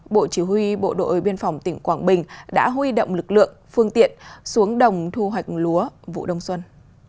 bộ chỉ huy bộ đội biên phòng tỉnh quảng bình đã huy động lực lượng phương tiện xuống đồng thu hoạch lúa vụ đông xuân